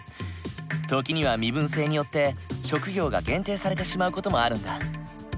時には身分制によって職業が限定されてしまう事もあるんだ。